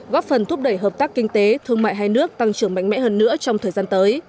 góp phần thúc đẩy hợp tác kinh tế thương mại hai nước tăng trưởng mạnh mẽ hơn nữa trong thời gian tới